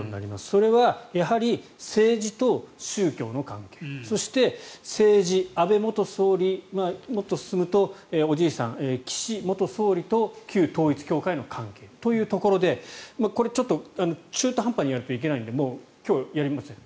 それはやはり政治と宗教の関係そして政治、安倍元総理もっと進むと、おじいさんの岸元総理と旧統一教会の関係というところでこれちょっと中途半端にやるといけないので今日、やりません。